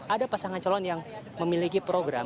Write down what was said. ada pasangan calon yang memiliki program